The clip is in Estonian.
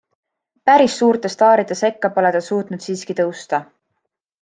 Päris suurte staaride sekka pole ta suutnud siiski tõusta.